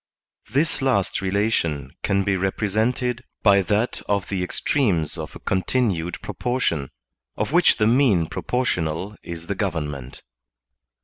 This last relation can be represented by that of the ex tremes of a continued proportion, of which the mean proportional is the government.